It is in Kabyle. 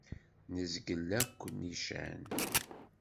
Nezgel akk nnican.